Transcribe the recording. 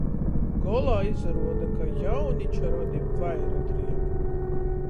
Golā izaruoda, ka jauniča rodim vaira driebu.